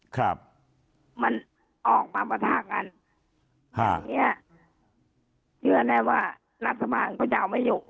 ครับมันออกมาประทะกันฮ่าเชื่อแน่ว่ารัฐบาลพระเจ้าไม่อยู่